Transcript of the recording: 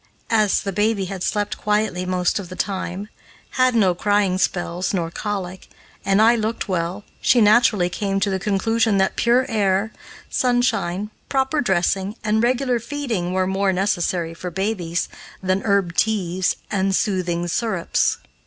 As the baby had slept quietly most of the time, had no crying spells, nor colic, and I looked well, she naturally came to the conclusion that pure air, sunshine, proper dressing, and regular feeding were more necessary for babies than herb teas and soothing syrups.